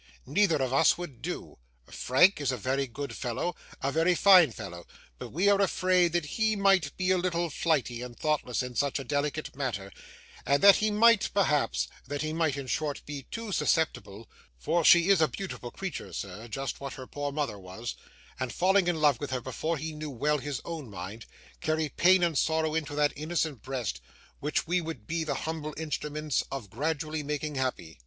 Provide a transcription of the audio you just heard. Neither of us would do. Frank is a very good fellow a very fine fellow but we are afraid that he might be a little flighty and thoughtless in such a delicate matter, and that he might, perhaps that he might, in short, be too susceptible (for she is a beautiful creature, sir; just what her poor mother was), and falling in love with her before he knew well his own mind, carry pain and sorrow into that innocent breast, which we would be the humble instruments of gradually making happy.